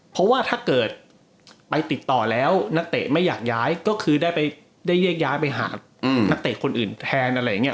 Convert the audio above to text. เพราะว่าถ้าเกิดไปติดต่อแล้วนักเตะไม่อยากย้ายก็คือได้แยกย้ายไปหานักเตะคนอื่นแทนอะไรอย่างนี้